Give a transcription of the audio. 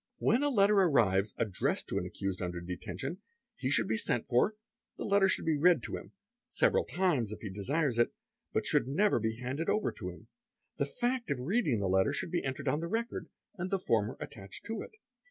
When a letter arrives addressed to an a a cused under detention, he should be sent for, the letter should be read : to him, several times if he desires it, but should never be handed over to him ; the fact of reading the letter should be entered on the record and the former attached to it.